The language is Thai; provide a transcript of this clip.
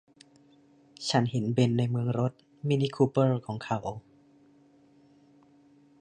ฉันเห็นเบ็นในเมืองรถ มินิคูเปอร์ของเขา